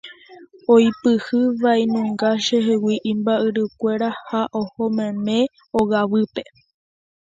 Oipyhy vai nunga chehegui imba'yrukuéra ha ohomeme ogaguýpe.